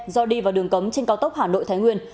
do đi vào đường cấm trên cao tốc hà nội thái nguyên